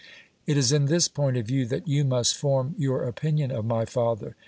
It is in this point of view that you must form your opinion of my father.